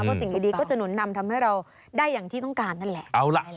เพราะสิ่งดีก็จะหนุนนำทำให้เราได้อย่างที่ต้องการนั่นแหละ